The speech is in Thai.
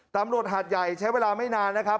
หาดใหญ่ใช้เวลาไม่นานนะครับ